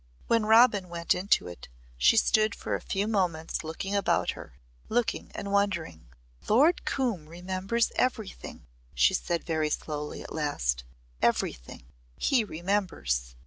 When Robin went into it she stood for a few moments looking about her looking and wondering. "Lord Coombe remembers everything," she said very slowly at last, " everything. He remembers."